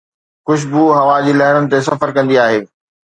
خوشبو هوا جي لهرن تي سفر ڪندي آهي